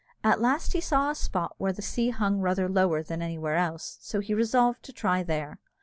At last he saw a spot where the sea hung rather lower than anywhere else, so he resolved to try there.